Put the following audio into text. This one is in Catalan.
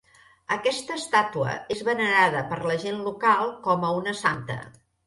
Aquesta estàtua és venerada per la gent local com a una santa.